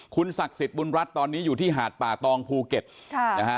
คุณศักดิ์สิทธิ์บุญรัฐตอนนี้อยู่ที่หาดป่าตองภูเก็ตค่ะนะฮะ